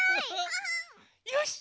よし！